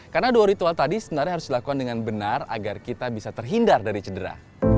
karena dua ritual tadi sebenarnya harus dilakukan dengan benar agar kita bisa terhindar dari cedera